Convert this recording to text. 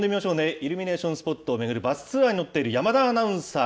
イルミネーションスポットを巡るバスツアーに乗っている山田アナウンサー。